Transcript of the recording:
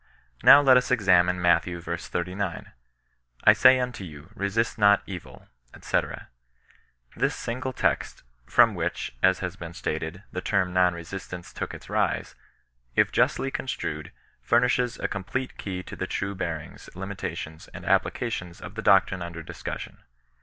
Now let us examine Matt. v. 39. " I say unto you, resist not evil," &c. This single text, from which, as has been stated, the term non resistance took its rise, if justly construed, furnishes a complete key to the true bearings, limitations, and applications of the doctrine under dis^ cussion.